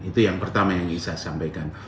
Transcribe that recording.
itu yang pertama yang ingin saya sampaikan